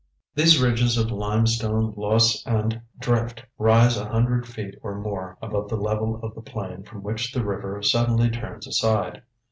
These ridges of limestone, loess and drift rise a hundred feet or more above the level of the plain from which the river suddenly turns aside.